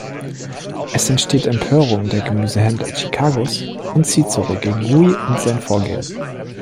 Es entsteht Empörung der Gemüsehändler Chicagos und Ciceros gegen Ui und sein Vorgehen.